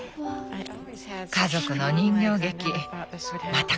家族の人形劇また